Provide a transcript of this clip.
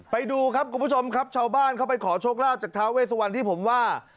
ไปดูครับคุณผู้ชมครับชาวบ้านเข้าไปขอโชคลาภจากท้าเวสวันที่ผมว่า